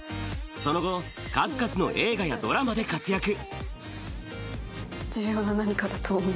その後、数々の映画やドラマで活躍。